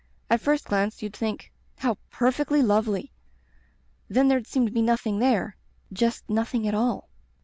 At first glance you'd think, 'How perfectly lovely!' — then there'd seem to be nothing there. Just nothing at all.